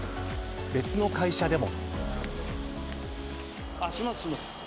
別の会社でも。